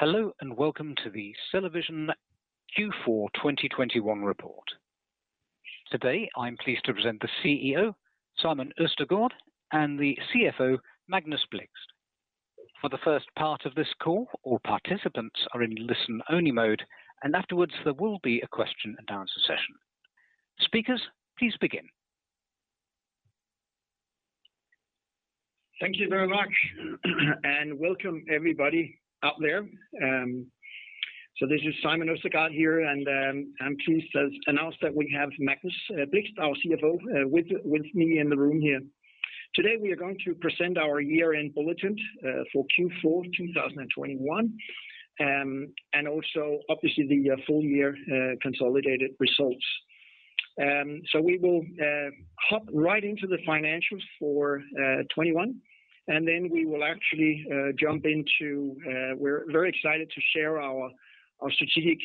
Hello and welcome to the CellaVision Q4 2021 report. Today, I'm pleased to present the CEO, Simon Østergaard, and the CFO, Magnus Blixt. For the first part of this call, all participants are in listen-only mode, and afterwards there will be a question and answer session. Speakers, please begin. Thank you very much and welcome everybody out there. This is Simon Østergaard here, and I'm pleased to announce that we have Magnus Blixt, our CFO, with me in the room here. Today, we are going to present our year-end bulletin for Q4 2021, and also obviously the full year consolidated results. We will hop right into the financials for 2021, and then we will actually jump into. We're very excited to share our strategic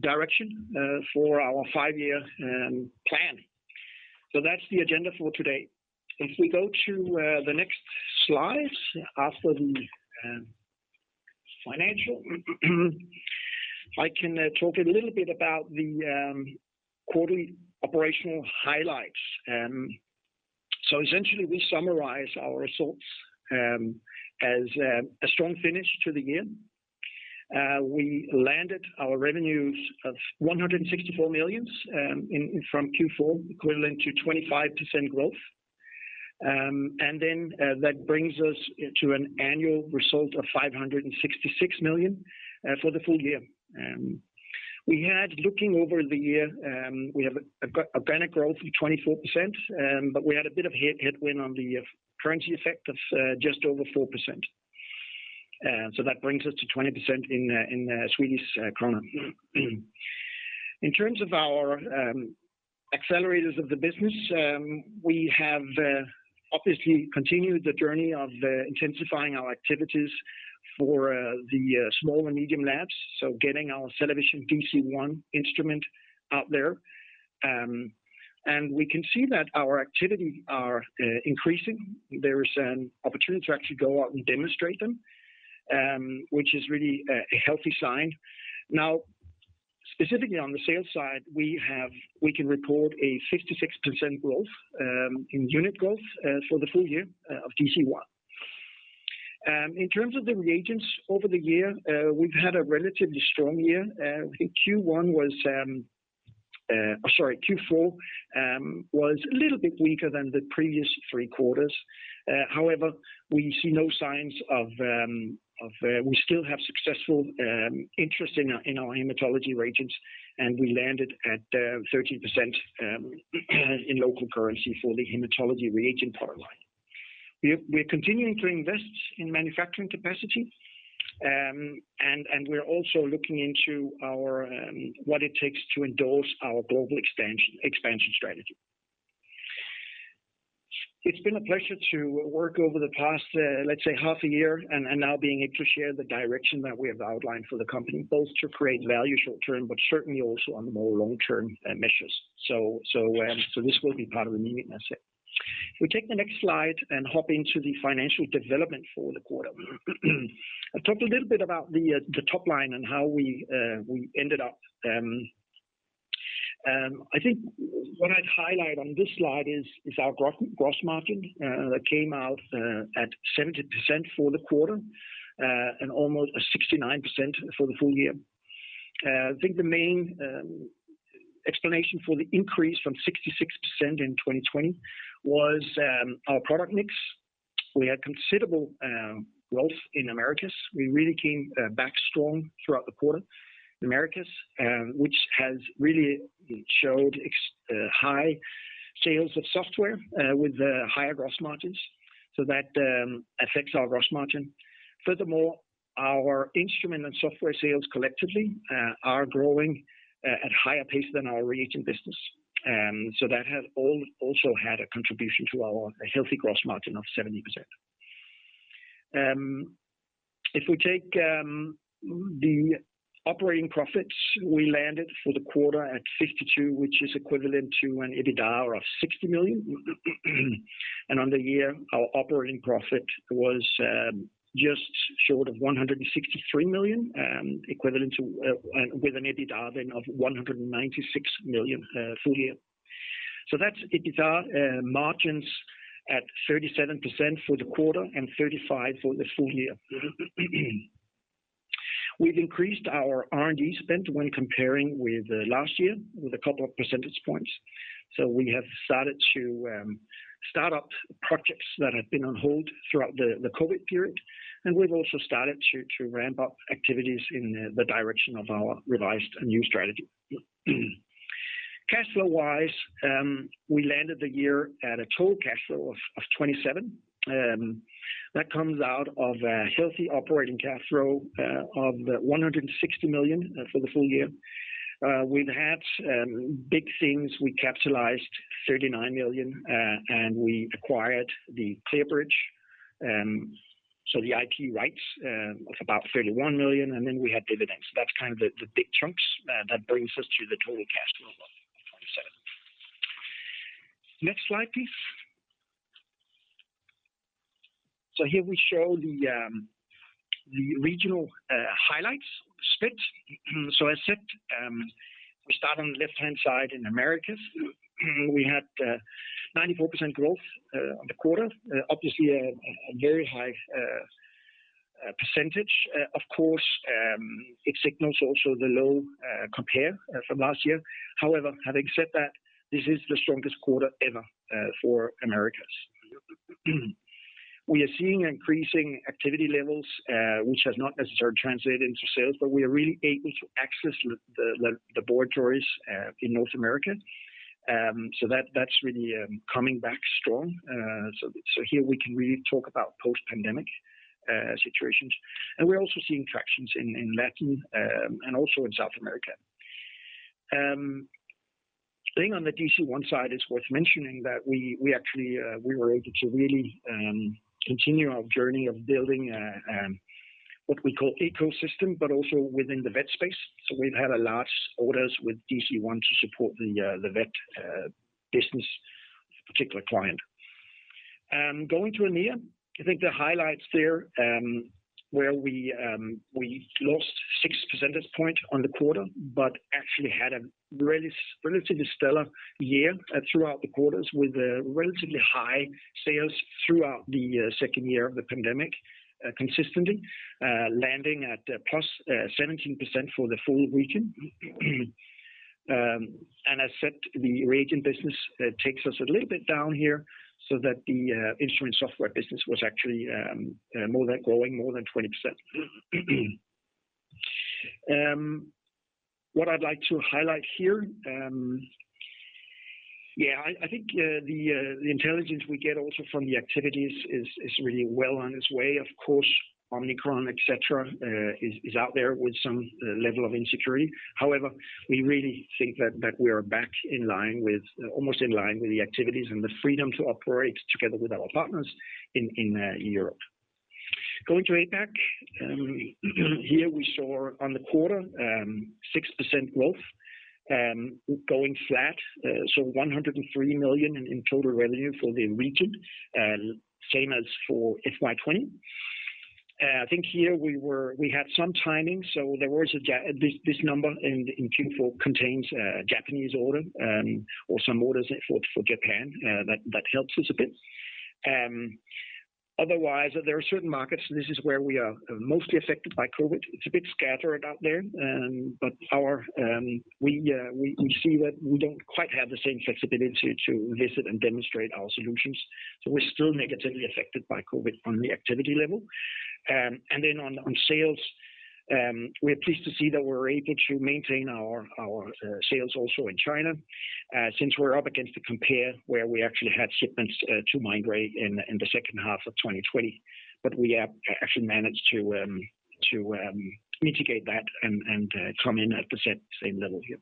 direction for our five-year plan. That's the agenda for today. If we go to the next slide after the financial, I can talk a little bit about the quarterly operational highlights. Essentially, we summarize our results as a strong finish to the year. We landed our revenues of 164 million from Q4, equivalent to 25% growth. That brings us to an annual result of 566 million for the full year. Looking over the year, we have organic growth of 24%, but we had a bit of headwind on the currency effect of just over 4%. That brings us to 20% in Swedish krona. In terms of our accelerators of the business, we have obviously continued the journey of intensifying our activities for the small and medium labs, so getting our CellaVision DC-1 instrument out there. We can see that our activities are increasing. There is an opportunity to actually go out and demonstrate them, which is really a healthy sign. Now, specifically on the sales side, we can report a 66% growth in unit growth for the full year of DC-1. In terms of the reagents over the year, we've had a relatively strong year. I think Q4 was a little bit weaker than the previous three quarters. However, we still have successful interest in our hematology reagents, and we landed at 13% in local currency for the hematology reagent pipeline. We're continuing to invest in manufacturing capacity, and we're also looking into what it takes to endorse our global expansion strategy. It's been a pleasure to work over the past, let's say half a year and now being able to share the direction that we have outlined for the company, both to create value short-term, but certainly also on the more long-term measures. This will be part of the meeting, I say. If we take the next slide and hop into the financial development for the quarter. I talked a little bit about the top line and how we ended up. I think what I'd highlight on this slide is our gross margin that came out at 70% for the quarter and almost a 69% for the full year. I think the main explanation for the increase from 66% in 2020 was our product mix. We had considerable growth in Americas. We really came back strong throughout the quarter in Americas, which has really showed high sales of software with higher gross margins. That affects our gross margin. Furthermore, our instrument and software sales collectively are growing at higher pace than our reagent business. That has also had a contribution to our healthy gross margin of 70%. If we take the operating profits, we landed for the quarter at 52 million, which is equivalent to an EBITDA of 60 million. On the year, our operating profit was just short of 163 million, equivalent to an EBITDA then of 196 million full year. That's EBITDA margins at 37% for the quarter and 35% for the full year. We've increased our R&D spend when comparing with last year with a couple of percentage points. We have started to start up projects that have been on hold throughout the COVID period, and we've also started to ramp up activities in the direction of our revised and new strategy. Cash flow wise, we landed the year at a total cash flow of 27 million. That comes out of a healthy operating cash flow of 160 million for the full year. We've had big things. We capitalized 39 million, and we acquired the Clearbridge, so the IP rights, of about 31 million, and then we had dividends. That's kind of the big chunks that brings us to the total cash flow. Next slide, please. Here we show the regional highlights split. As said, we start on the left-hand side in Americas. We had 94% growth on the quarter. Obviously a very high percentage. Of course, it signals also the low comparison from last year. However, having said that, this is the strongest quarter ever for Americas. We are seeing increasing activity levels which has not necessarily translated into sales, but we are really able to access the laboratories in North America. That's really coming back strong. Here we can really talk about post-pandemic situations. We're also seeing traction in Latin and also in South America. Staying on the DC-1 side, it's worth mentioning that we actually were able to really continue our journey of building a what we call ecosystem, but also within the vet space. We've had large orders with DC-1 to support the vet business particular client. Going to EMEA, I think the highlights there where we lost 6 percentage points on the quarter, but actually had a really relatively stellar year throughout the quarters with a relatively high sales throughout the second year of the pandemic consistently landing at plus 17% for the full region. As said, the reagent business takes us a little bit down here so that the instrument software business was actually growing more than 20%. What I'd like to highlight here, I think the intelligence we get also from the activities is really well on its way. Of course, Omicron, et cetera, is out there with some level of insecurity. However, we really think that we are back almost in line with the activities and the freedom to operate together with our partners in Europe. Going to APAC, here we saw on the quarter 6% growth, going flat, so 103 million in total revenue for the region, same as for FY 2020. I think here we had some timing, so there was this number in Q4 that contains a Japanese order or some orders for Japan that helps us a bit. Otherwise, there are certain markets, and this is where we are mostly affected by COVID. It's a bit scattered out there. We see that we don't quite have the same flexibility to visit and demonstrate our solutions, so we're still negatively affected by COVID on the activity level. On sales, we're pleased to see that we're able to maintain our sales also in China since we're up against the compare where we actually had shipments to migrate in the second half of 2020. We have actually managed to mitigate that and come in at the same level here.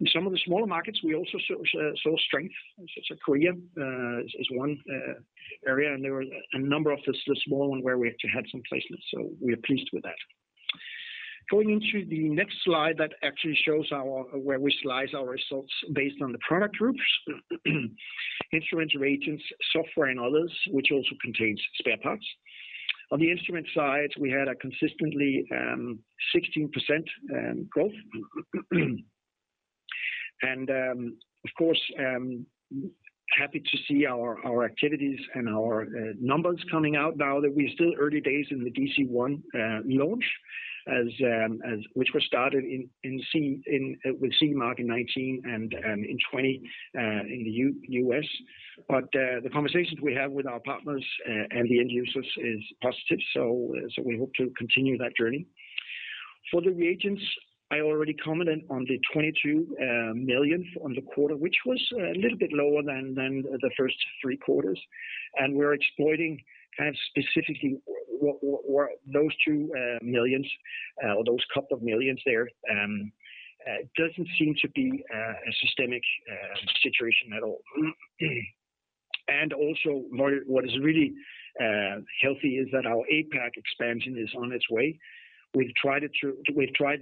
In some of the smaller markets, we also saw strength. Korea is one area, and there were a number of the small ones where we actually had some placements. We're pleased with that. Going into the next slide that actually shows where we slice our results based on the product groups, instruments, reagents, software, and others, which also contains spare parts. On the instrument side, we had consistent 16% growth. Of course, happy to see our activities and our numbers coming out now that we're still early days in the DC One launch, which was started in 2019 with CE Mark and in 2020 in the U.S. The conversations we have with our partners and the end users is positive. We hope to continue that journey. For the reagents, I already commented on the 22 million on the quarter, which was a little bit lower than the first three quarters. We're exploring kind of specifically what those 2 million or those couple of millions there doesn't seem to be a systemic situation at all. What is really healthy is that our APAC expansion is on its way. We've tried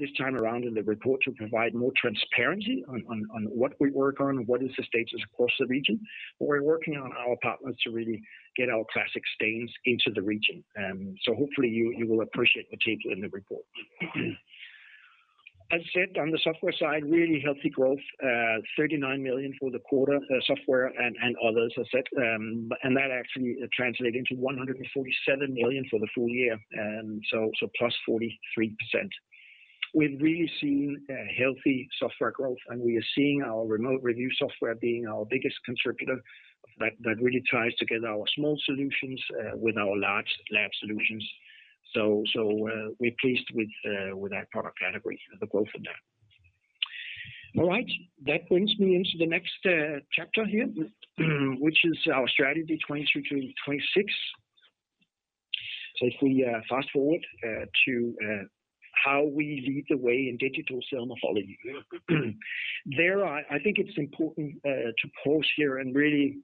this time around in the report to provide more transparency on what we work on, what is the status across the region. We're working on our partners to really get our classic stains into the region. So hopefully you will appreciate the take in the report. As said, on the software side, really healthy growth, 39 million for the quarter, software and others, as said. And that actually translate into 147 million for the full year. Plus 43%. We've really seen healthy software growth, and we are seeing our Remote Review software being our biggest contributor that really ties together our small solutions with our large lab solutions. We're pleased with that product category, the growth in that. All right, that brings me into the next chapter here, which is our strategy 2023 to 2026. If we fast-forward to how we lead the way in digital cell morphology. There, I think it's important to pause here and really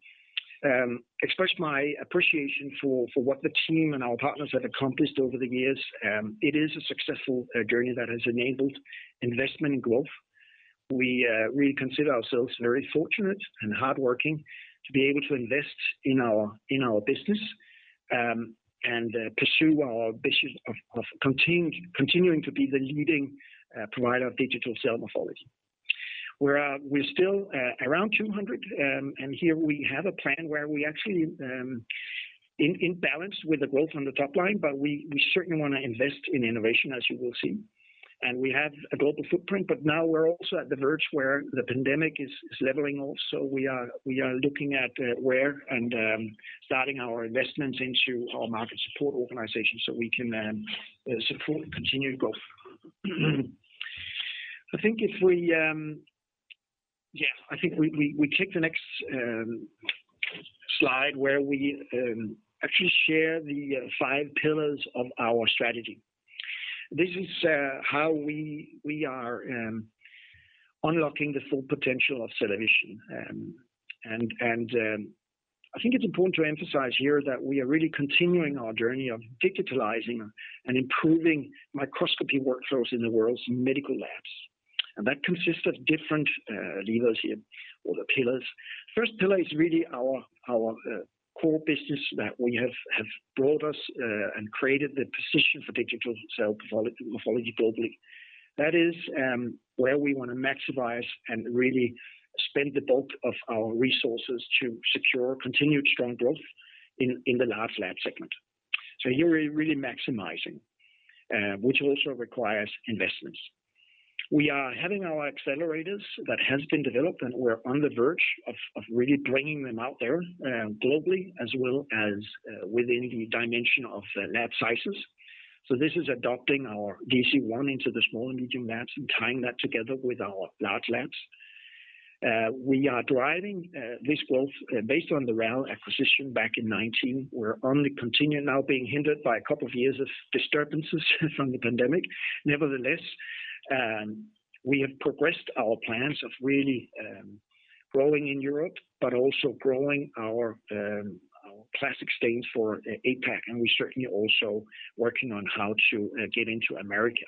express my appreciation for what the team and our partners have accomplished over the years. It is a successful journey that has enabled investment and growth. We consider ourselves very fortunate and hardworking to be able to invest in our business and pursue our ambition of continuing to be the leading provider of digital cell morphology. We're still around 200, and here we have a plan where we actually in balance with the growth on the top line, but we certainly wanna invest in innovation, as you will see. We have a global footprint, but now we're also on the verge where the pandemic is leveling off, so we are looking at where and starting our investments into our market support organization so we can support continued growth. I think we click the next slide where we actually share the five pillars of our strategy. This is how we are unlocking the full potential of CellaVision. I think it's important to emphasize here that we are really continuing our journey of digitalizing and improving microscopy workflows in the world's medical labs. That consists of different levers here, or the pillars. First pillar is really our core business that we have brought us and created the position for digital cell morphology globally. That is where we wanna maximize and really spend the bulk of our resources to secure continued strong growth in the large lab segment. Here we're really maximizing, which also requires investments. We are having our accelerators that has been developed, and we're on the verge of really bringing them out there globally as well as within the dimension of lab sizes. This is adopting our DC-1 into the small and medium labs and tying that together with our large labs. We are driving this growth based on the RAL acquisition back in 2019. We're only continuing now being hindered by a couple of years of disturbances from the pandemic. Nevertheless, we have progressed our plans of really growing in Europe, but also growing our classic stains for APAC, and we're certainly also working on how to get into Americas.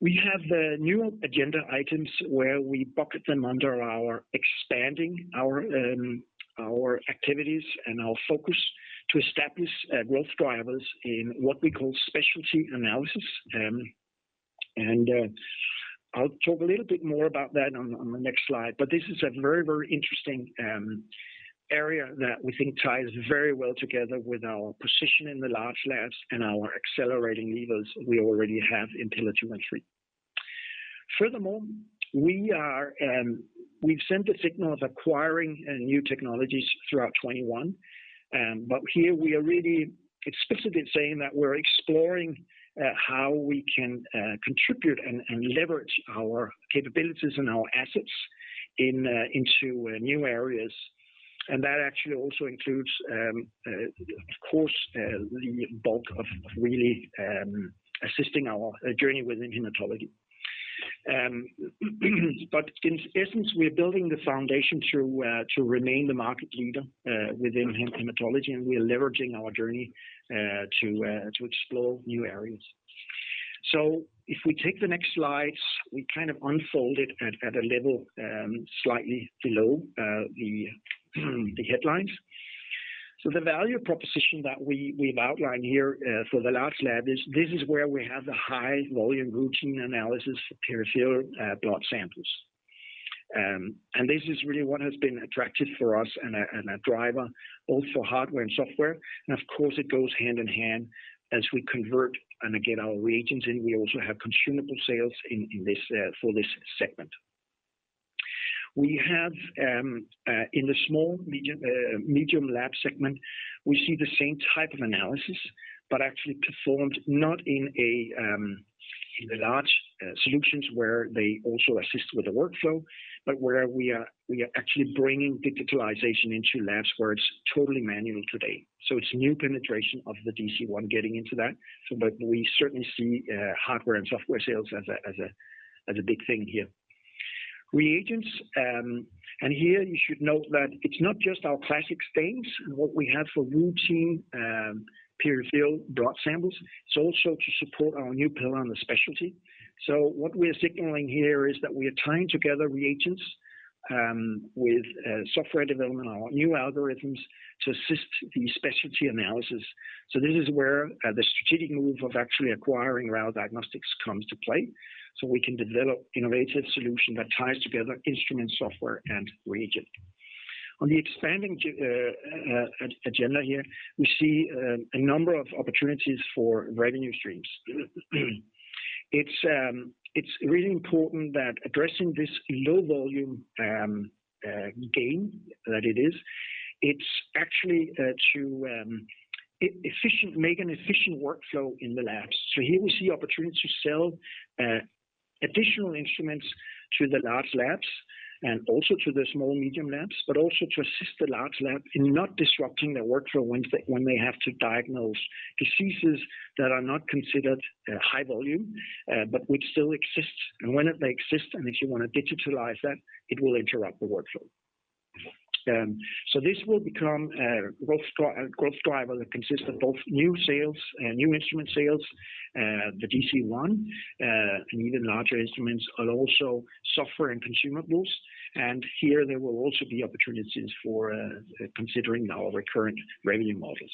We have the new agenda items where we bucket them under our expanding our activities and our focus to establish growth drivers in what we call specialty analysis. I'll talk a little bit more about that on the next slide. This is a very, very interesting area that we think ties very well together with our position in the large labs and our accelerating levers we already have in [hematology]. Furthermore, we've sent a signal of acquiring new technologies throughout 2021. Here we are really explicitly saying that we're exploring how we can contribute and leverage our capabilities and our assets into new areas. That actually also includes, of course, the bulk of really assisting our journey within hematology. In essence, we're building the foundation to remain the market leader within hematology, and we are leveraging our journey to explore new areas. So if we take the next slides, we kind of unfold it at a level slightly below the headlines. The value proposition that we've outlined here for the large lab is where we have the high volume routine analysis peripheral blood samples. This is really what has been attractive for us and a driver, both for hardware and software. Of course it goes hand in hand as we convert and get our reagents in. We also have consumable sales in this for this segment. We have in the small, medium lab segment, we see the same type of analysis, but actually performed not in the large solutions where they also assist with the workflow, but where we are actually bringing digitalization into labs where it's totally manual today. It's new penetration of the DC-1 getting into that. But we certainly see hardware and software sales as a big thing here. Reagents, and here you should note that it's not just our classic stains and what we have for routine peripheral blood samples, it's also to support our new pillar on the specialty. What we are signaling here is that we are tying together reagents with software development, our new algorithms to assist the specialty analysis. This is where the strategic move of actually acquiring our diagnostics comes to play. We can develop innovative solution that ties together instrument, software, and reagent. On the expanding agenda here, we see a number of opportunities for revenue streams. It's really important that addressing this low volume game that it is, it's actually to make an efficient workflow in the labs. Here we see opportunities to sell additional instruments to the large labs and also to the small and medium labs, but also to assist the large lab in not disrupting their workflow when they have to diagnose diseases that are not considered high volume, but which still exists. When it may exist, and if you wanna digitalize that, it will interrupt the workflow. This will become a growth driver that consists of both new sales, new instrument sales, the DC-1, and even larger instruments, but also software and consumables. Here, there will also be opportunities for considering our recurrent revenue models.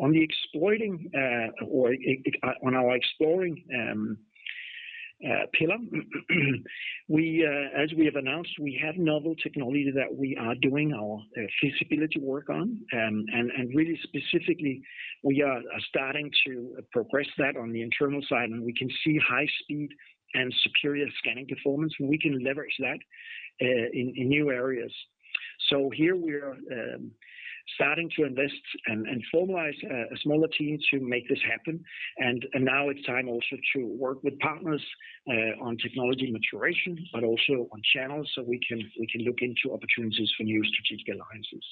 On the exploring pillar, as we have announced, we have novel technology that we are doing our feasibility work on. Really specifically, we are starting to progress that on the internal side, and we can see high speed and superior scanning performance, and we can leverage that in new areas. Here we are starting to invest and formalize a smaller team to make this happen. Now it's time also to work with partners on technology maturation, but also on channels so we can look into opportunities for new strategic alliances.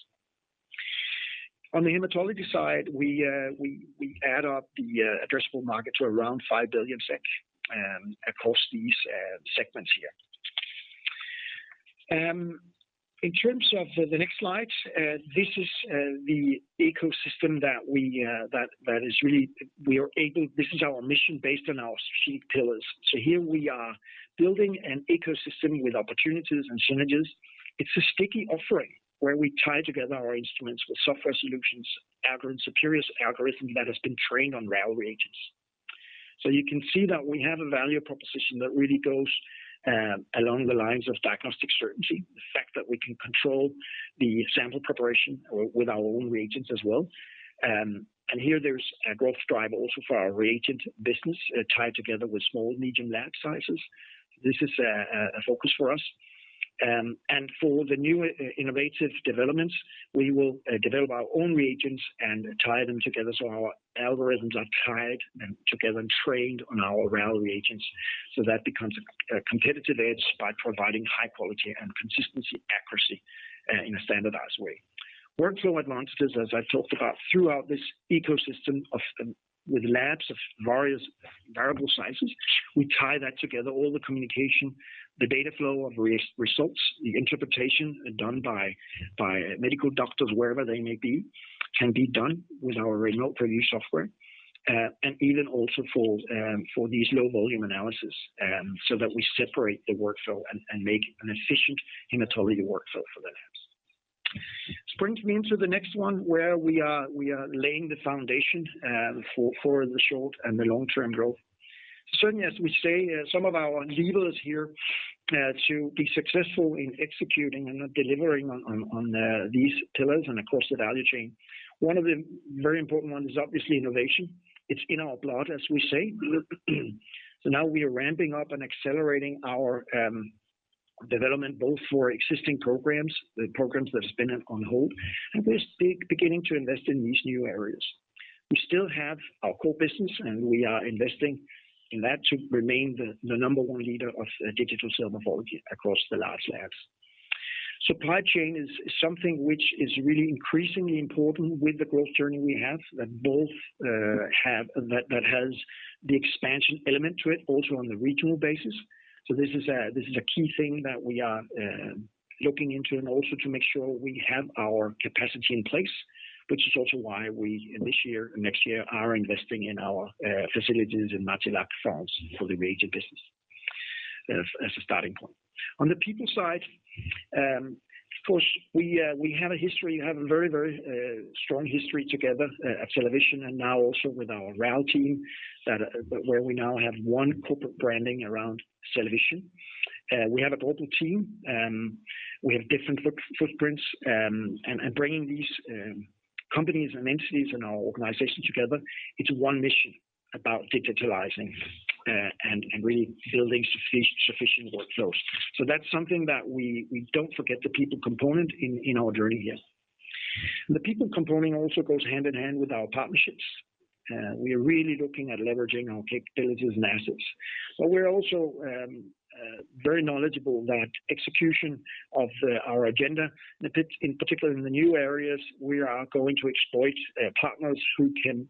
On the hematology side, we add up the addressable market to around 5 billion SEK across these segments here. In terms of the next slides, this is the ecosystem that we are able. This is our mission based on our strategic pillars. Here we are building an ecosystem with opportunities and synergies. It's a sticky offering where we tie together our instruments with software solutions, superior algorithm that has been trained on RAL reagents. You can see that we have a value proposition that really goes along the lines of diagnostic certainty, the fact that we can control the sample preparation with our own reagents as well. Here there's a growth driver also for our reagent business, tied together with small and medium lab sizes. This is a focus for us. For the new innovative developments, we will develop our own reagents and tie them together so our algorithms are tied together and trained on our RAL reagents. That becomes a competitive edge by providing high quality and consistency accuracy in a standardized way. Workflow advances, as I've talked about throughout this ecosystem of, with labs of various variable sizes, we tie that together, all the communication, the data flow of results, the interpretation done by medical doctors, wherever they may be, can be done with our Remote Review Software, and even also for these low volume analysis, so that we separate the workflow and make an efficient hematology workflow for the labs. This brings me into the next one where we are laying the foundation for the short and the long-term growth. Certainly, as we say, some of our levers here to be successful in executing and delivering on these pillars and across the value chain. One of the very important one is obviously innovation. It's in our blood, as we say. Now we are ramping up and accelerating our development both for existing programs, the programs that have been on hold, and we're beginning to invest in these new areas. We still have our core business, and we are investing in that to remain the number one leader of digital cell morphology across the large labs. Supply chain is something which is really increasingly important with the growth journey we have, that has the expansion element to it also on the regional basis. This is a key thing that we are looking into and also to make sure we have our capacity in place, which is also why we this year and next year are investing in our facilities in Mantes-la-Ville, France for the reagent business as a starting point. On the people side, of course, we have a very strong history together at CellaVision and now also with our RAL team, where we now have one corporate branding around CellaVision. We have a global team. We have different footprints, and bringing these companies and entities in our organization together, it's one mission about digitalizing and really building sufficient workflows. That's something that we don't forget the people component in our journey here. The people component also goes hand in hand with our partnerships. We are really looking at leveraging our capabilities and assets. We're also very knowledgeable that execution of our agenda, in particular in the new areas we are going to exploit, partners who can,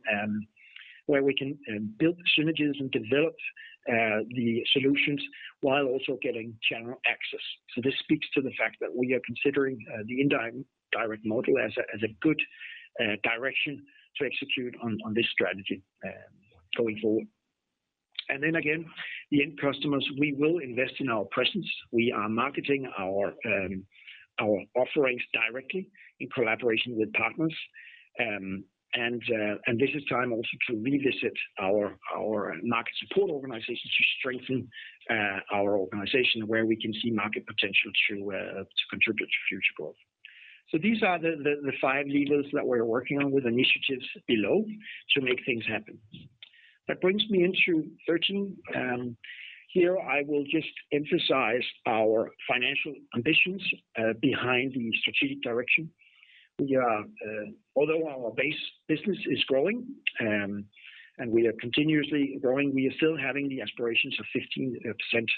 where we can, build synergies and develop the solutions while also getting general access. This speaks to the fact that we are considering the indirect model as a good direction to execute on this strategy going forward. Then again the end customers, we will invest in our presence. We are marketing our offerings directly in collaboration with partners. This is also time to revisit our market support organization to strengthen our organization where we can see market potential to contribute to future growth. These are the five levers that we're working on with initiatives below to make things happen. That brings me into 13. Here I will just emphasize our financial ambitions behind the strategic direction. We are, although our base business is growing, and we are continuously growing, we are still having the aspirations of 15%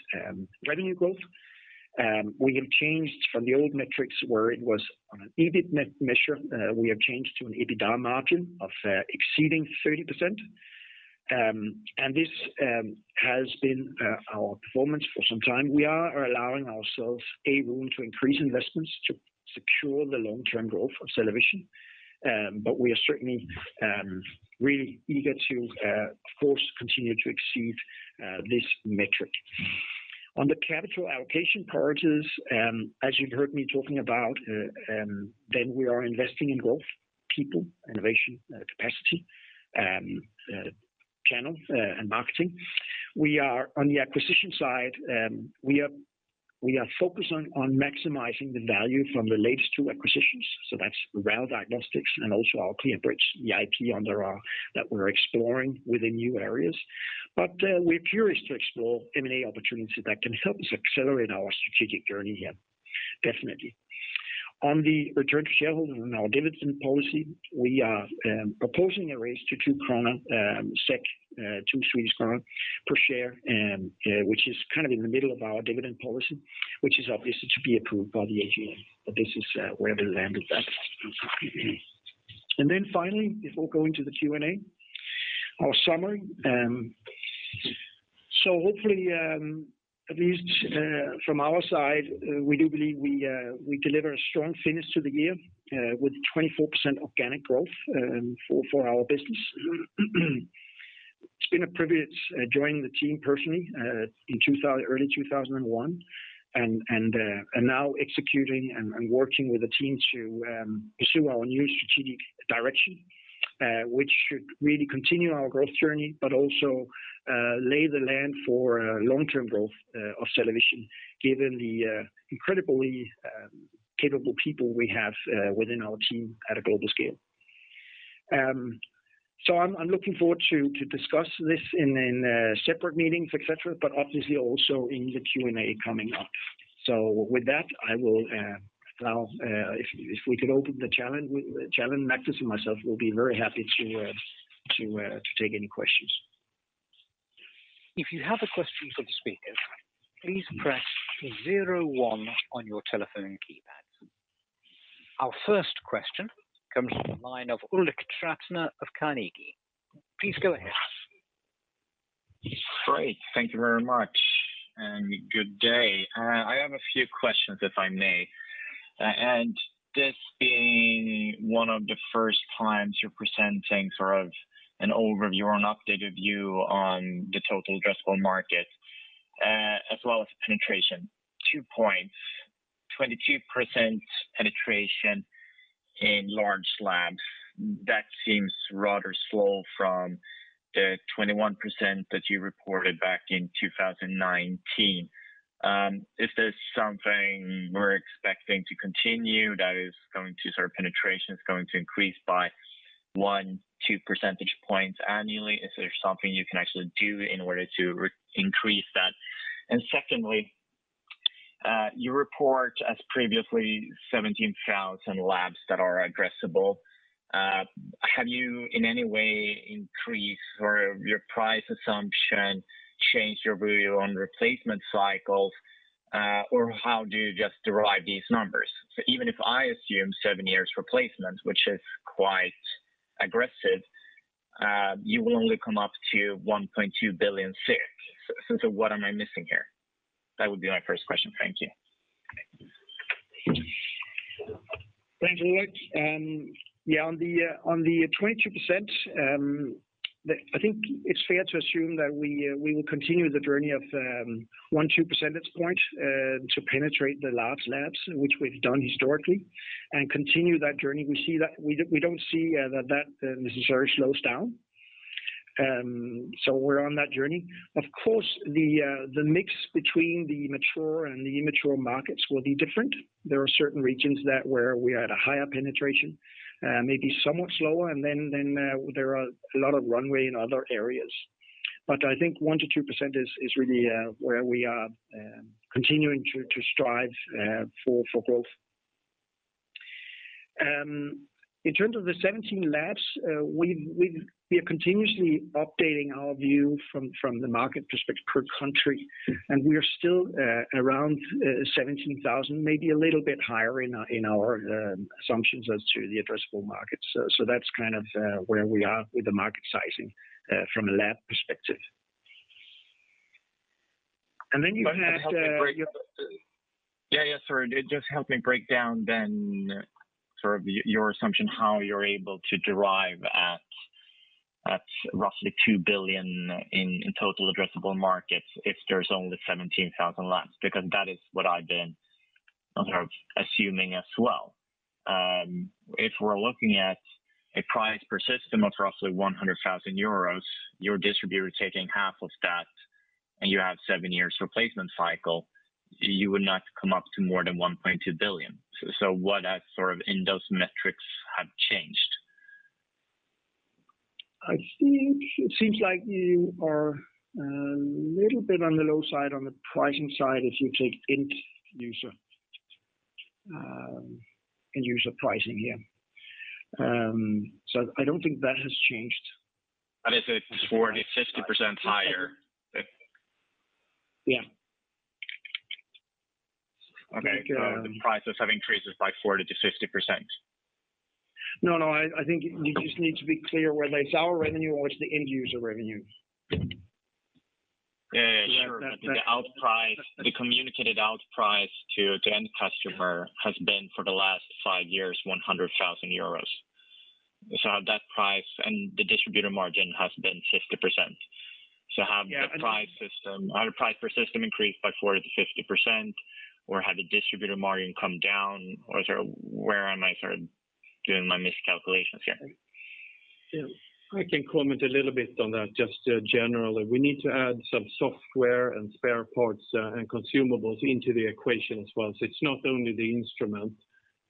revenue growth. We have changed from the old metrics where it was on an EBIT measure. We have changed to an EBITDA margin of exceeding 30%. This has been our performance for some time. We are allowing ourselves a room to increase investments to secure the long-term growth of CellaVision. We are certainly really eager to of course continue to exceed this metric. On the capital allocation priorities, as you've heard me talking about, then we are investing in growth, people, innovation, capacity, channel, and marketing. On the acquisition side, we are focused on maximizing the value from the latest two acquisitions, so that's RAL Diagnostics and also Clearbridge BioPhotonics, the IP under that we're exploring within new areas. We're curious to explore M&A opportunities that can help us accelerate our strategic journey, yeah, definitely. On the return to shareholders and our dividend policy, we are proposing a raise to 2 kronor per share, which is kind of in the middle of our dividend policy, which is obviously to be approved by the AGM. This is where we landed that. Then finally, before going to the Q&A, our summary. So hopefully, at least, from our side, we do believe we deliver a strong finish to the year, with 24% organic growth, for our business. It's been a privilege, joining the team personally, in early 2001, and now executing and working with the team to pursue our new strategic direction, which should really continue our growth journey but also lay the land for long-term growth of CellaVision, given the incredibly capable people we have within our team at a global scale. So I'm looking forward to discuss this in separate meetings, et cetera, but obviously also in the Q&A coming up. With that, I will now, if we could open the challenge, Magnus and myself, we'll be very happy to take any questions. If you have a question for the speakers, please press zero one on your telephone keypad. Our first question comes from the line of Ulrik Trattner of Carnegie. Please go ahead. Great. Thank you very much. Good day. I have a few questions, if I may. This being one of the first times you're presenting sort of an overview or an updated view on the total addressable market, as well as penetration, two points. 22% penetration in large labs, that seems rather slow from the 21% that you reported back in 2019. If there's something we're expecting to continue, penetration is going to increase by 1-2 percentage points annually, is there something you can actually do in order to re-increase that? Secondly, you report as previously 17,000 labs that are addressable. Have you in any way increased your price assumption or changed your view on replacement cycles, or how do you just derive these numbers? Even if I assume seven years replacement, which is quite aggressive, you will only come up to 1.2 billion. What am I missing here? That would be my first question. Thank you. Thanks a lot. Yeah, on the 22%, I think it's fair to assume that we will continue the journey of 1-2 percentage points to penetrate the labs, which we've done historically, and continue that journey. We see that. We don't see that necessarily slows down, so we're on that journey. Of course, the mix between the mature and the immature markets will be different. There are certain regions where we had a higher penetration, maybe somewhat slower, and then there are a lot of runway in other areas. I think 1%-2% is really where we are continuing to strive for growth. In terms of the 17 labs, we are continuously updating our view from the market perspective per country, and we are still around 17,000, maybe a little bit higher in our assumptions as to the addressable markets. That's kind of where we are with the market sizing from a lab perspective. Then you had Yeah, yeah, sorry. Just help me break down then sort of your assumption, how you're able to derive at roughly 2 billion in total addressable markets if there's only 17,000 labs, because that is what I've been sort of assuming as well. If we're looking at a price per system of roughly 100,000 euros, your distributor taking half of that, and you have 7 years replacement cycle, you would not come up to more than 1.2 billion. What sort of in those metrics have changed? I think it seems like you are a little bit on the low side on the pricing side if you take end user pricing, yeah. I don't think that has changed. If it's 40%-50% higher. Yeah. Okay. The price has had increases by 40%-50%. No, I think you just need to be clear whether it's our revenue or it's the end user revenue. Yeah, sure. The communicated out price to end customer has been for the last five years 100,000 euros. That price and the distributor margin has been 50%. Have the price system- Yeah. Have the price per system increased by 40%-50% or have the distributor margin come down? Or sort of where am I sort of doing my miscalculations here? I can comment a little bit on that just generally. We need to add some software and spare parts and consumables into the equation as well. It's not only the instrument,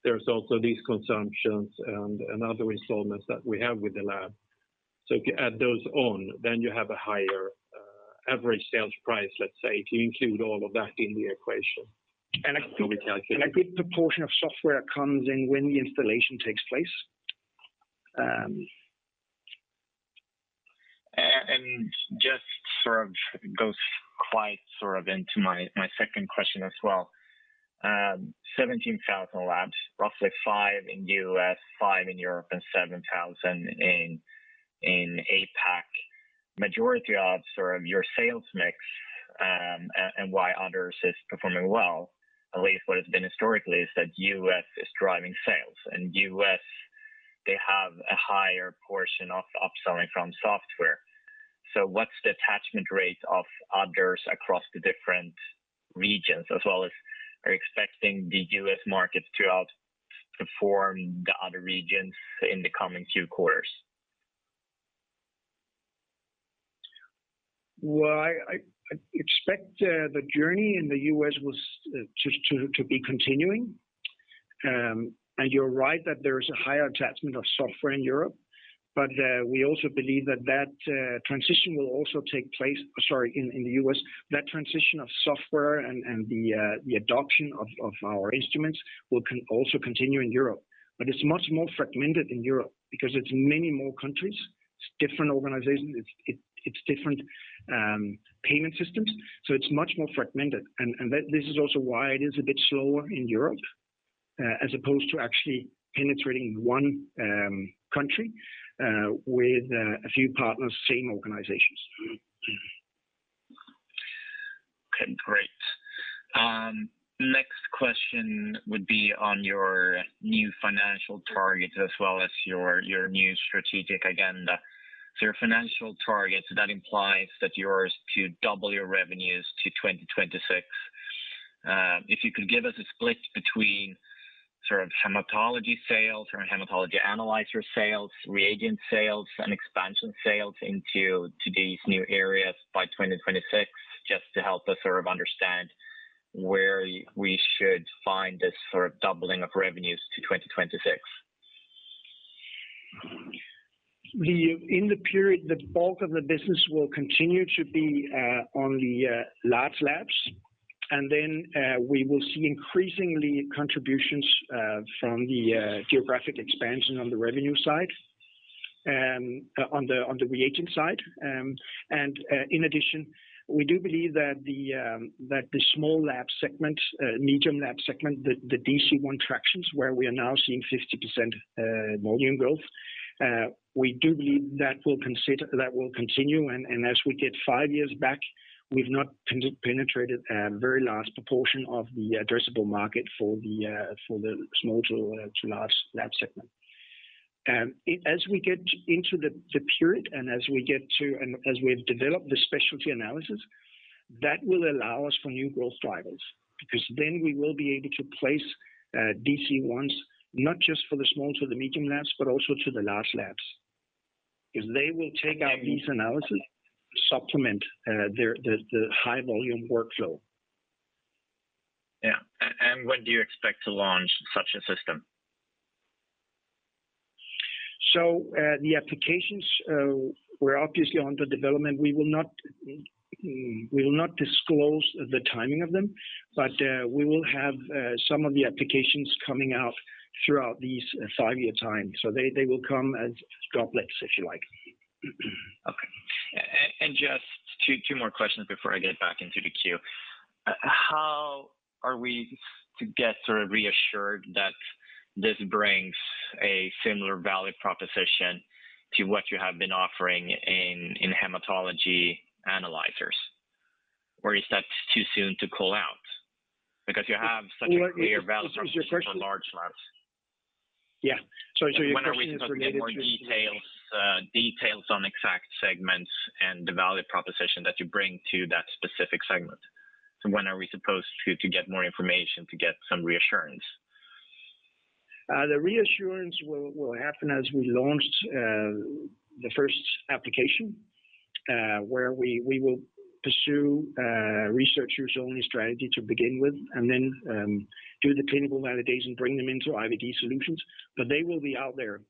there's also these consumables and other instruments that we have with the lab. If you add those on, then you have a higher average sales price, let's say, if you include all of that in the equation. Let me calculate. A good proportion of software comes in when the installation takes place. Just sort of goes quite sort of into my second question as well. 17,000 labs, roughly five in U.S., five in Europe, and 7,000 in APAC. Majority of sort of your sales mix, and why Others is performing well, at least what it's been historically is that U.S. is driving sales. In U.S. they have a higher portion of upselling from software. What's the attachment rate of Others across the different regions, as well as are you expecting the U.S. market to outperform the other regions in the coming few quarters? Well, I expect the journey in the U.S. was to be continuing. You're right that there is a higher attachment of software in Europe. We also believe that transition will also take place in the U.S. That transition of software and the adoption of our instruments will also continue in Europe. It's much more fragmented in Europe because it's many more countries. It's different organizations. It's different payment systems, so it's much more fragmented. This is also why it is a bit slower in Europe as opposed to actually penetrating one country with a few partners, same organizations. Okay, great. Next question would be on your new financial targets as well as your new strategic agenda. Your financial targets, that implies that you're to double your revenues to 2026. If you could give us a split between sort of hematology sales or hematology analyzer sales, reagent sales, and expansion sales into these new areas by 2026, just to help us sort of understand where we should find this sort of doubling of revenues to 2026. In the period, the bulk of the business will continue to be on the large labs. We will see increasingly contributions from the geographic expansion on the revenue side, on the reagent side. In addition, we do believe that the small lab segment, medium lab segment, the DC-1 tractions where we are now seeing 50% volume growth, we do believe that will continue. As we get five years back, we've not penetrated a very large proportion of the addressable market for the small to large lab segment. As we get into the period and as we get to... As we've developed the specialty analysis, that will allow us for new growth drivers, because then we will be able to place DC-1s not just for the small to the medium labs but also to the large labs. Because they will take our these analyses supplement their the high-volume workflow. Yeah. When do you expect to launch such a system? The applications are obviously under development. We will not disclose the timing of them. We will have some of the applications coming out throughout this five-year time. They will come as droplets, if you like. Okay. Just two more questions before I get back into the queue. How are we to get sort of reassured that this brings a similar value proposition to what you have been offering in hematology analyzers? Or is that too soon to call out? Because you have such a clear value proposition for large labs. Yeah. Sorry, so your question is related to. When are we supposed to get more details on exact segments and the value proposition that you bring to that specific segment? When are we supposed to get more information to get some reassurance? The reassurance will happen as we launch the first application, where we will pursue researchers only strategy to begin with and then do the clinical validation, bring them into IVD solutions, but they will be out there.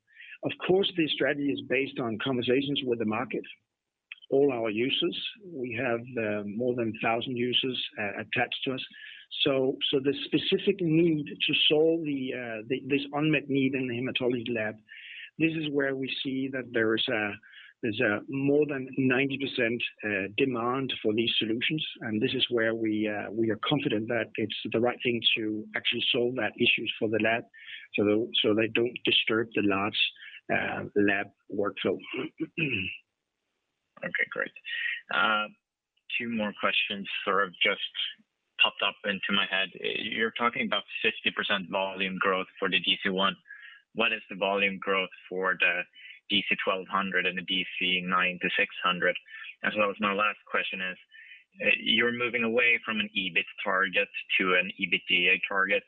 Of course, this strategy is based on conversations with the market. All our users, we have more than 1,000 users attached to us. The specific need to solve this unmet need in the hematology lab, this is where we see that there's more than 90% demand for these solutions. This is where we are confident that it's the right thing to actually solve that issues for the lab, so they don't disturb the large lab workflow. Okay, great. Two more questions sort of just popped up into my head. You're talking about 60% volume growth for the DC-1. What is the volume growth for the DM1200 and the DM9600? That was my last question is, you're moving away from an EBIT target to an EBITDA target.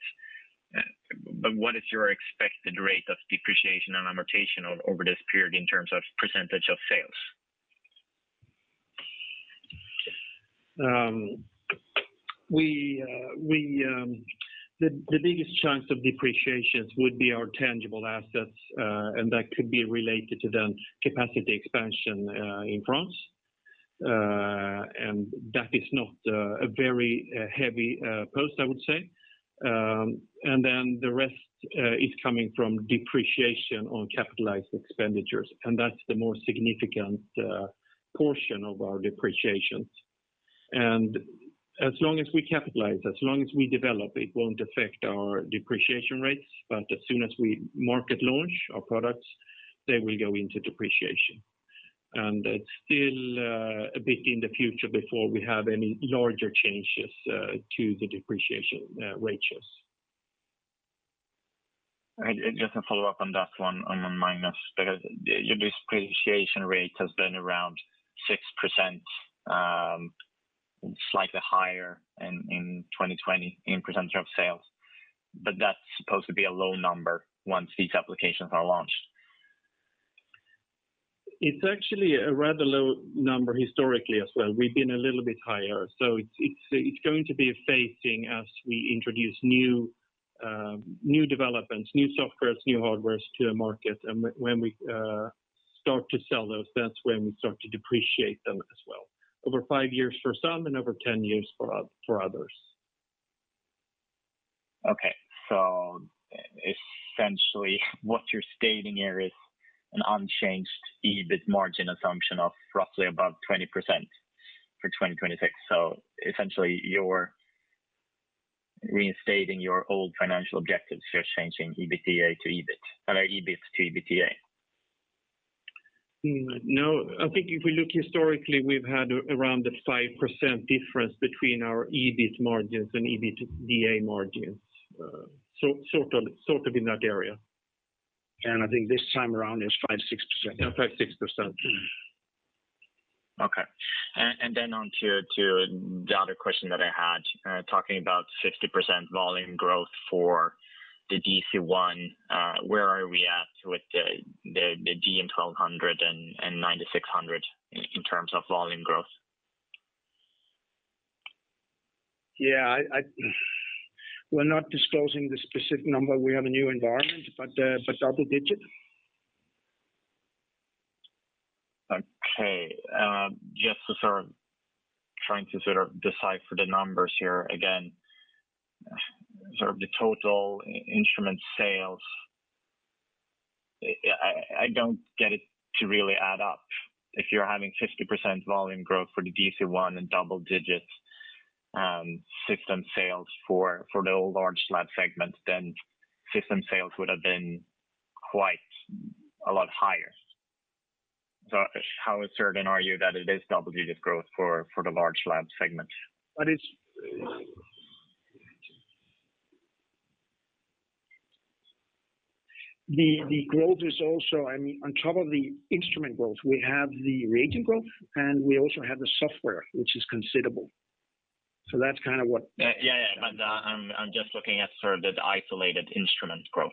But what is your expected rate of depreciation and amortization over this period in terms of percentage of sales? The biggest chunks of depreciations would be our tangible assets, and that could be related to the capacity expansion in France. And that is not a very heavy cost, I would say. And then the rest is coming from depreciation on capitalized expenditures, and that's the more significant portion of our depreciations. As long as we capitalize, as long as we develop, it won't affect our depreciation rates. As soon as we market launch our products, they will go into depreciation. It's still a bit in the future before we have any larger changes to the depreciation ratios. Just to follow up on that one on a minus, because your depreciation rate has been around 6%, slightly higher in 2020 in percentage of sales. That's supposed to be a low number once these applications are launched. It's actually a rather low number historically as well. We've been a little bit higher. It's going to be a phasing as we introduce new developments, new softwares, new hardwares to the market. When we start to sell those, that's when we start to depreciate them as well. Over five years for some and over 10 years for others. Okay. Essentially, what you're stating here is an unchanged EBIT margin assumption of roughly about 20% for 2026. Essentially, you're reinstating your old financial objectives. You're changing EBITDA to EBIT or EBIT to EBITDA. No. I think if we look historically, we've had around a 5% difference between our EBIT margins and EBITDA margins. So sort of in that area. I think this time around is 5-6%. Yeah, 5-6%. Okay, to the other question that I had, talking about 60% volume growth for the DC-1, where are we at with the DM1200 and DM9600 in terms of volume growth? We're not disclosing the specific number. We have a new environment, but double digit. Okay. Just trying to decipher the numbers here again, the total instrument sales, I don't get it to really add up. If you're having 50% volume growth for the DC-1 and double-digit system sales for the large lab segment, then system sales would have been quite a lot higher. How certain are you that it is double-digit growth for the large lab segment? The growth is also, I mean, on top of the instrument growth, we have the reagent growth, and we also have the software, which is considerable. That's kind of what Yeah, yeah. I'm just looking at sort of the isolated instrument growth.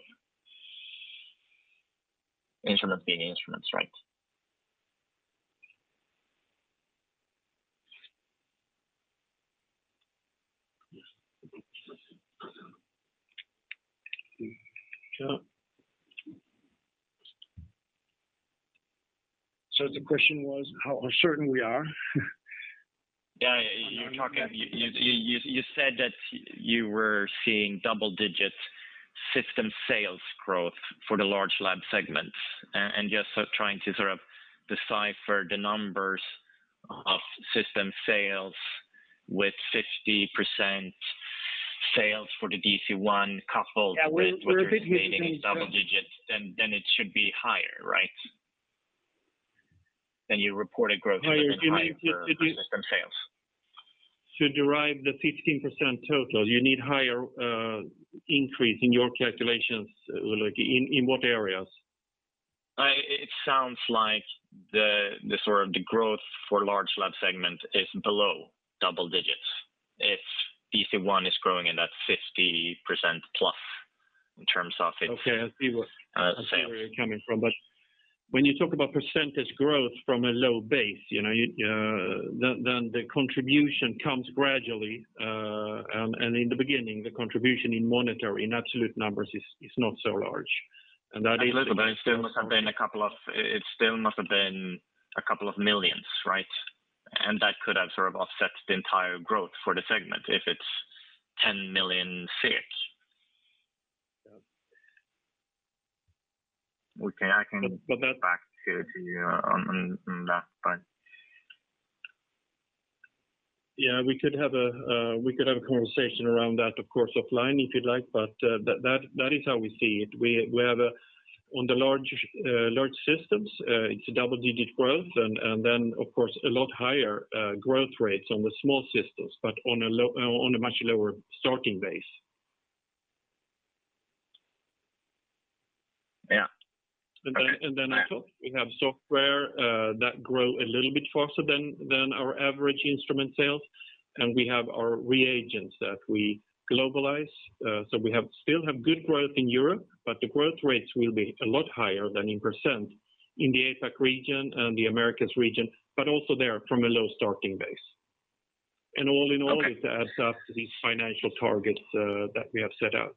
Instrument being instruments, right? The question was how uncertain we are? Yeah. You're talking. You said that you were seeing double-digit system sales growth for the large lab segments. And just sort of trying to sort of decipher the numbers of system sales with 50% sales for the DC-1 coupled- Yeah. We're a bit- With what you're stating is double digits, then it should be higher, right? You reported growth- Higher. Do you mean? For system sales. To derive the 15% total, you need higher increase in your calculations, Ulrik, in what areas? It sounds like the sort of growth for large lab segment is below double digits if DC-1 is growing at that 50%+ in terms of its- Okay. I see. sales I see where you're coming from. When you talk about percentage growth from a low base, you know, you, then the contribution comes gradually. In the beginning, the contribution in monetary, in absolute numbers is not so large. A little But it still must have been a couple of millions, right? That could have sort of offset the entire growth for the segment if it's 10 million. Okay. I can get back to you on that, part. Yeah. We could have a conversation around that, of course, offline, if you'd like. That is how we see it. On the large systems, it's a double-digit growth and then of course a lot higher growth rates on the small systems, but on a much lower starting base. Yeah. Okay. We have software that grow a little bit faster than our average instrument sales, and we have our reagents that we globalize. We still have good growth in Europe, but the growth rates will be a lot higher than 10% in the APAC region and the Americas region, but also there from a low starting base. In all in all Okay. It adds up to these financial targets that we have set out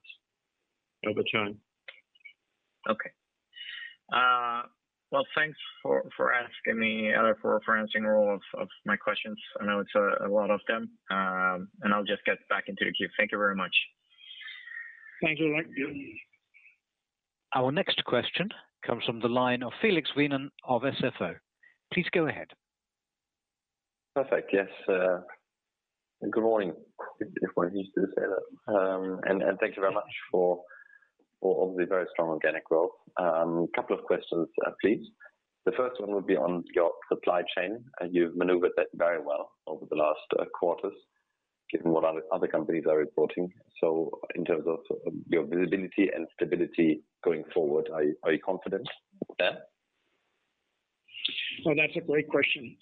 over time. Okay. Well, thanks for asking me for referencing all of my questions. I know it's a lot of them. I'll just get back into the queue. Thank you very much. Thank you. Our next question comes from the line of Felix Wienen of SFO. Please go ahead. Perfect. Yes, good morning, if one can still say that. Thank you very much for obviously very strong organic growth. Couple of questions, please. The first one would be on your supply chain, and you've maneuvered that very well over the last quarters given what other companies are reporting. In terms of your visibility and stability going forward, are you confident there? Well, that's a great question.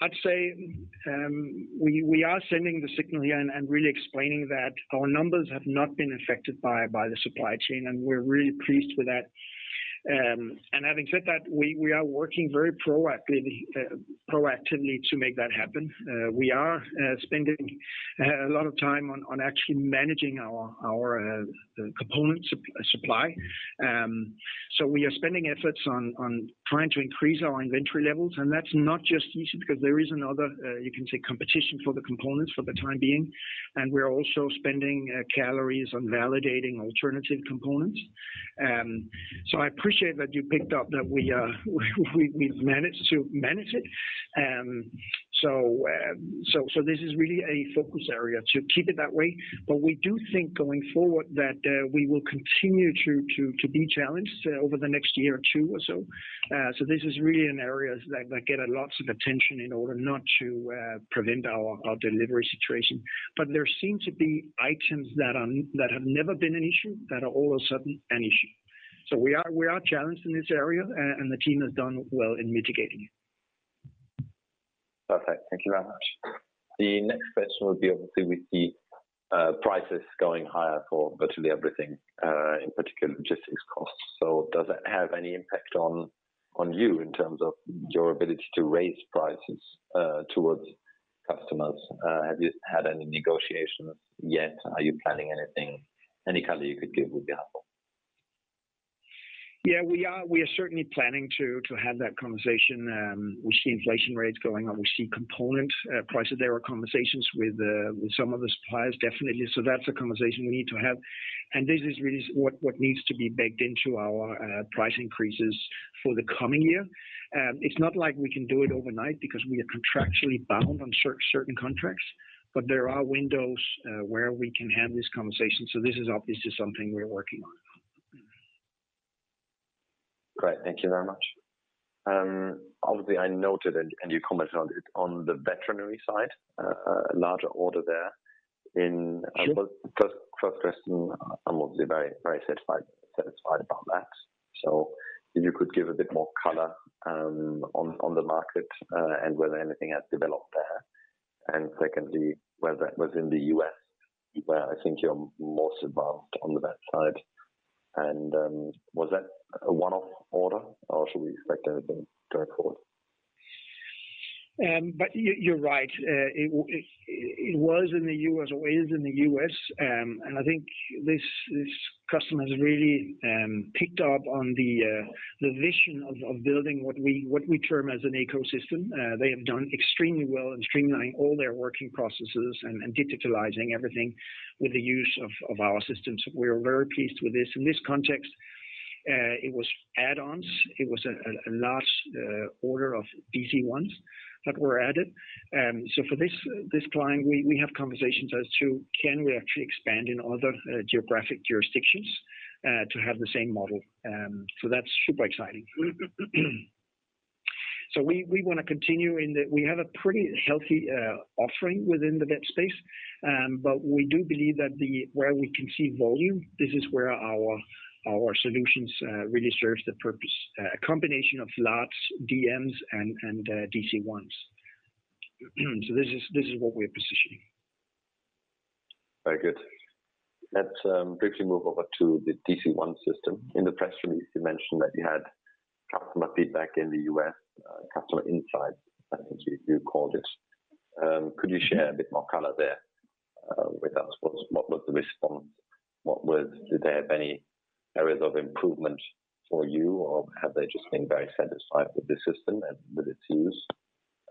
I'd say we are sending the signal here and really explaining that our numbers have not been affected by the supply chain, and we're really pleased with that. Having said that, we are working very proactively to make that happen. We are spending a lot of time on actually managing our component supply. We are spending efforts on trying to increase our inventory levels, and that's not just easy because there is another you can say competition for the components for the time being, and we're also spending calories on validating alternative components. I appreciate that you picked up that we've managed to manage it. This is really a focus area to keep it that way. We do think going forward that we will continue to be challenged over the next year or two or so. This is really an area that gets a lot of attention in order not to prevent our delivery situation. There seem to be items that have never been an issue that are all of a sudden an issue. We are challenged in this area, and the team has done well in mitigating it. Perfect. Thank you very much. The next question would be obviously with the prices going higher for virtually everything, in particular logistics costs. Does that have any impact on you in terms of your ability to raise prices towards customers? Have you had any negotiations yet? Are you planning anything? Any color you could give would be helpful. Yeah. We are certainly planning to have that conversation. We see inflation rates going up. We see component prices. There are conversations with some of the suppliers, definitely. That's a conversation we need to have. This is really what needs to be baked into our price increases for the coming year. It's not like we can do it overnight because we are contractually bound on certain contracts, but there are windows where we can have this conversation. This is obviously something we're working on. Great. Thank you very much. Obviously, I noted, and you commented on it, on the veterinary side, a larger order there in- Sure. First question, I'm obviously very satisfied about that. If you could give a bit more color on the market and whether anything has developed there. Secondly, whether it was in the U.S., where I think you're most advanced on the vet side, was that a one-off order or should we expect anything to record? You're right. It was in the U.S. or is in the U.S. I think this customer has really picked up on the vision of building what we term as an ecosystem. They have done extremely well in streamlining all their working processes and digitizing everything with the use of our systems. We are very pleased with this. In this context, it was add-ons. It was a large order of DC-1s that were added. For this client, we have conversations as to can we actually expand in other geographic jurisdictions to have the same model. That's super exciting. We wanna continue in the vet space. We have a pretty healthy offering within the vet space. We do believe that where we can see volume, this is where our solutions really serves the purpose, a combination of labs, DMs and DC ones. This is what we're positioning. Very good. Let's quickly move over to the DC-1 system. In the press release, you mentioned that you had customer feedback in the U.S., customer insight, I think you call this. Could you share a bit more color there with us? What was the response? Do they have any areas of improvement for you, or have they just been very satisfied with the system and with its use?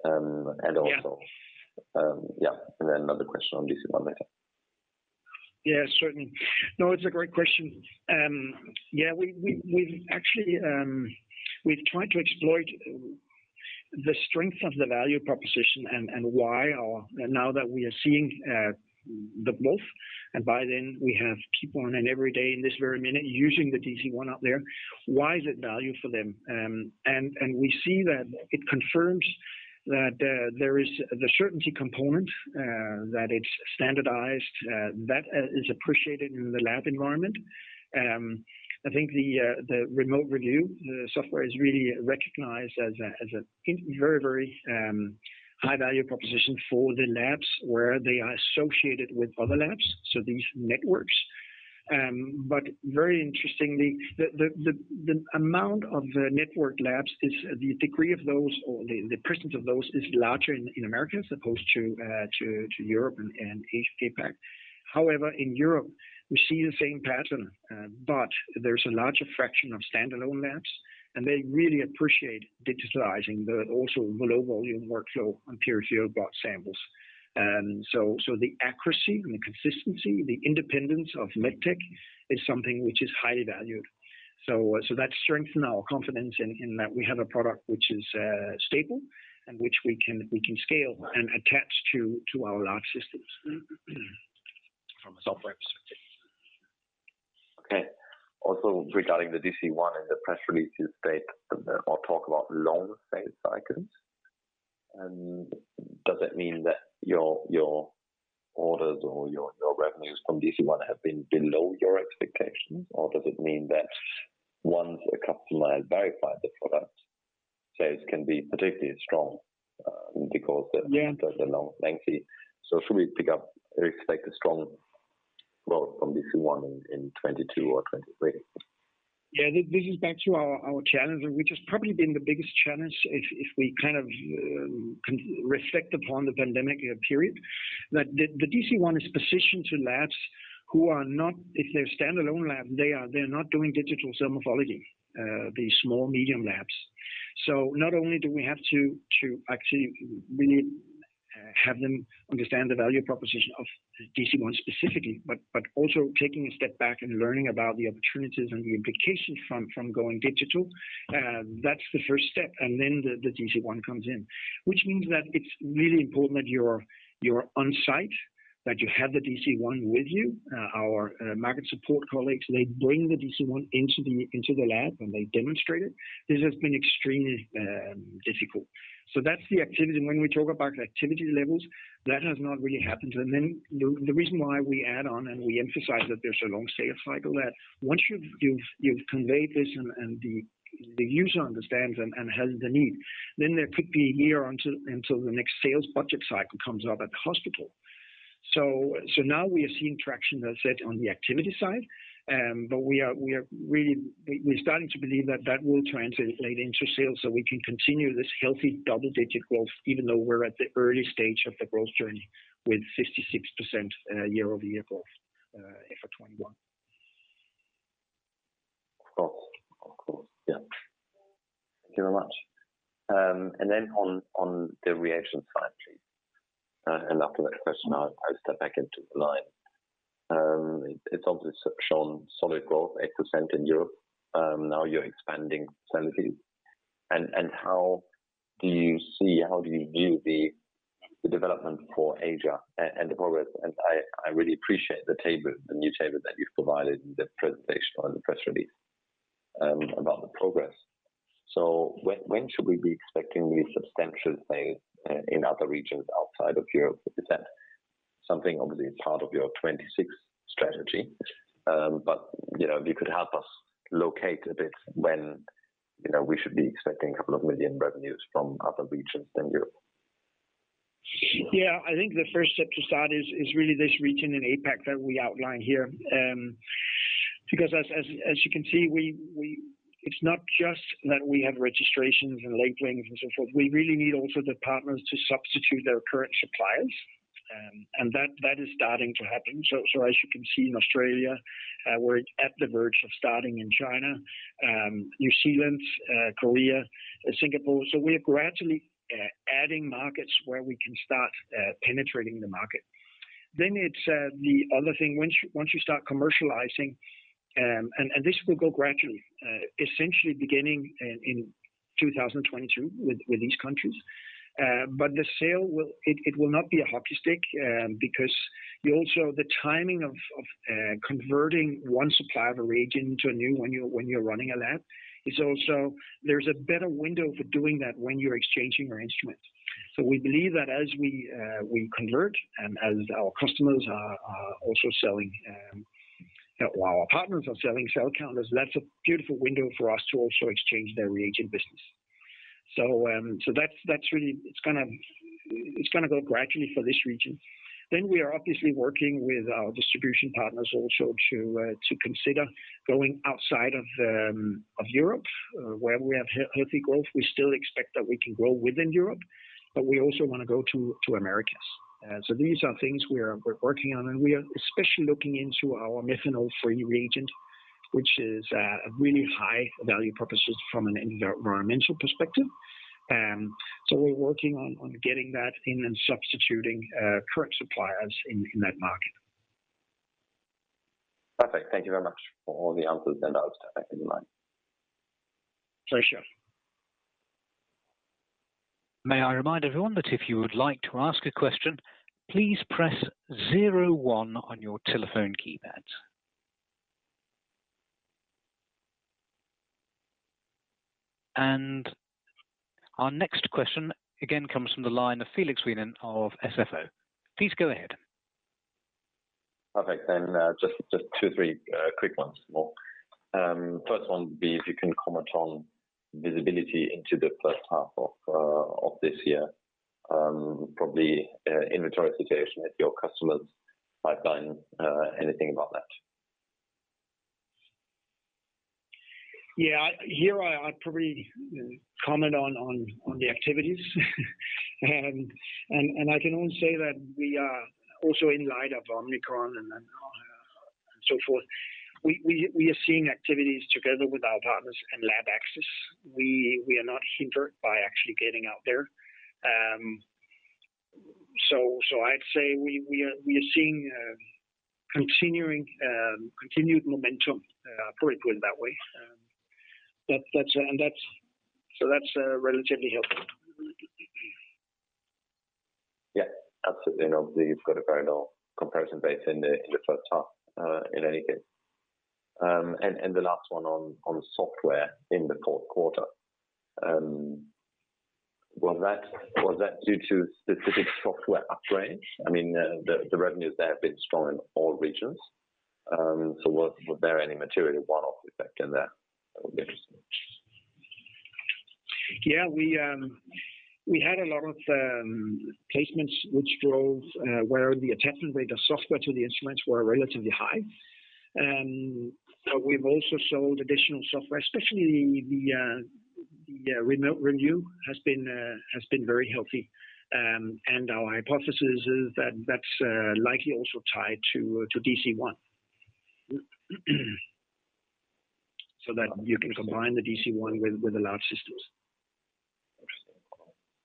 And also- Yeah. Yeah. Another question on DC-1 later. Yeah, certainly. No, it's a great question. Yeah, we've actually tried to exploit the strength of the value proposition and why now that we are seeing the growth, and by then we have people every day at this very minute using the DC-1 out there, why is it value for them? And we see that it confirms that there is the certainty component that it's standardized, that is appreciated in the lab environment. I think the remote review, the software is really recognized as a very high value proposition for the labs where they are associated with other labs, so these networks. Very interestingly, the amount of the network labs, the degree of those or the presence of those is larger in America as opposed to Europe and APAC. However, in Europe, we see the same pattern, but there's a larger fraction of standalone labs, and they really appreciate digitizing the low volume workflow on pure peripheral blood samples. The accuracy and the consistency, the independence of MedTech is something which is highly valued. That strengthen our confidence in that we have a product which is stable and which we can scale and attach to our large systems from a software perspective. Okay. Also regarding the DC-1 and the press release, you state or talk about long sales cycles. Does that mean that your orders or your revenues from DC-1 have been below your expectations? Or does it mean that once a customer has verified the product, sales can be particularly strong because the- Yeah. Should we pick up or expect strong growth from DC-1 in 2022 or 2023? This is back to our challenge, which has probably been the biggest challenge if we kind of reflect upon the pandemic period. That the DC-1 is positioned to labs who are not, if they're standalone lab, they're not doing digital morphology, these small, medium labs. Not only do we have to actually really have them understand the value proposition of DC-1 specifically, but also taking a step back and learning about the opportunities and the implications from going digital. That's the first step, and then the DC-1 comes in. Which means that it's really important that you're on-site, that you have the DC-1 with you. Our market support colleagues, they bring the DC-1 into the lab, and they demonstrate it. This has been extremely difficult. That's the activity. When we talk about activity levels, that has not really happened. The reason why we add on and we emphasize that there's a long sales cycle that once you've conveyed this and the user understands and has the need, then there could be a year until the next sales budget cycle comes up at the hospital. Now we are seeing traction, as I said, on the activity side. We're really starting to believe that that will translate into sales, so we can continue this healthy double-digit growth even though we're at the early stage of the growth journey with 56% year-over-year growth FY 2021. Of course. Yeah. Thank you very much. Then on the revenue side, please. After that question, I'll step back into the line. It's obviously shown solid growth, 8% in Europe. Now you're expanding 70%. How do you see, how do you view the development for Asia and the progress? I really appreciate the table, the new table that you've provided in the presentation or the press release, about the progress. So when should we be expecting these substantial sales in other regions outside of Europe? Is that something obviously part of your 2026 strategy? You know, if you could help us locate a bit when, you know, we should be expecting a couple of million revenues from other regions than Europe. Yeah. I think the first step to start is really this region in APAC that we outlined here. Because as you can see, it's not just that we have registrations and links and so forth, we really need also the partners to substitute their current suppliers. And that is starting to happen. As you can see in Australia, we're on the verge of starting in China, New Zealand, Korea, Singapore. We are gradually adding markets where we can start penetrating the market. Then it's the other thing, once you start commercializing, and this will go gradually, essentially beginning in 2022 with these countries. But the sale will not be a hockey stick, because you also. The timing of converting one supplier reagent to a new one when you're running a lab is also a better window for doing that when you're exchanging your instrument. We believe that as we convert and as our partners are selling cell counters, that's a beautiful window for us to also exchange their reagent business. That's really going to go gradually for this region. We are obviously working with our distribution partners to consider going outside of Europe, where we have healthy growth. We still expect that we can grow within Europe, but we also want to go to the Americas. These are things we're working on, and we are especially looking into our methanol-free reagent, which is a really high value proposition from an environmental perspective. We're working on getting that in and substituting current suppliers in that market. Perfect. Thank you very much for all the answers and I'll step back in line. Sure, sure. May I remind everyone that if you would like to ask a question, please press zero one on your telephone keypads. Our next question again comes from the line of Felix Wienen of SFO. Please go ahead. Perfect. Just two, three quick ones more. First one will be if you can comment on visibility into the first half of this year, probably inventory situation at your customers pipeline. Anything about that? Yeah. Here I'd probably comment on the activities. I can only say that we are also in light of Omicron and so forth. We are seeing activities together with our partners and lab access. We are not hindered by actually getting out there. I'd say we are seeing continued momentum, put it that way. That's relatively helpful. Yeah, absolutely. Obviously you've got a very low comparison base in the first half, in any case. The last one on software in the fourth quarter. Was that due to specific software upgrades? I mean, the revenues there have been strong in all regions. Were there any material one-off effect in there that would be interesting? Yeah. We had a lot of placements which drove the attachment rate of software to the instruments were relatively high. We've also sold additional software, especially the Remote Review has been very healthy. Our hypothesis is that that's likely also tied to DC-1. That you can combine the DC-1 with the lab systems.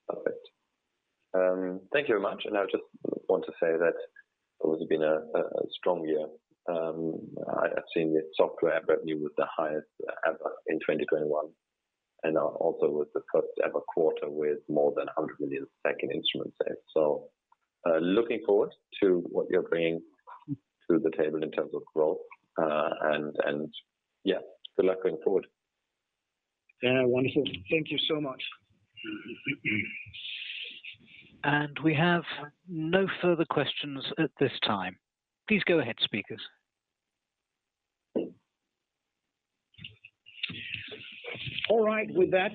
Perfect. Thank you very much. I just want to say that it would've been a strong year. I've seen the software revenue was the highest ever in 2021, and also was the first ever quarter with more than 100 million in instruments there. Looking forward to what you're bringing to the table in terms of growth, and yeah, good luck going forward. Yeah. Wonderful. Thank you so much. We have no further questions at this time. Please go ahead, speakers. All right. With that,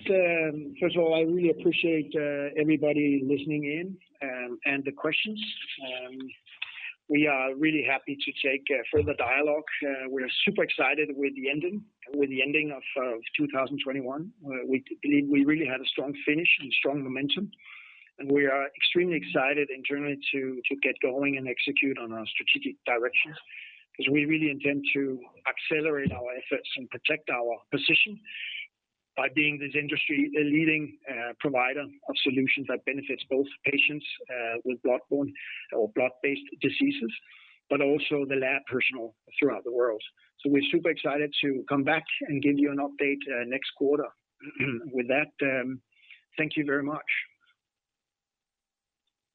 first of all, I really appreciate everybody listening in, and the questions. We are really happy to take further dialogue. We are super excited with the ending of 2021. We believe we really had a strong finish and strong momentum, and we are extremely excited internally to get going and execute on our strategic directions, 'cause we really intend to accelerate our efforts and protect our position by being the industry-leading provider of solutions that benefits both patients with bloodborne or blood-based diseases, but also the lab personnel throughout the world. We're super excited to come back and give you an update next quarter. With that, thank you very much.